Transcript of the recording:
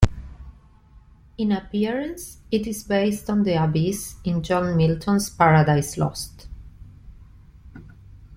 In appearance, it is based on the Abyss in John Milton's "Paradise Lost".